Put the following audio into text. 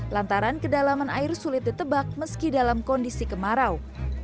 lantaran kedalaman air sulit ditebak meski dalam kondisi kemarau